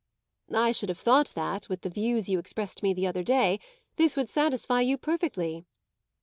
"I should have thought that, with the views you expressed to me the other day, this would satisfy you perfectly."